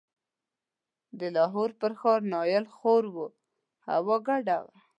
د لاهور پر ښار نایل خور و، هوا ګډه وه.